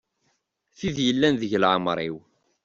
Tid yellan deg leɛmer-iw.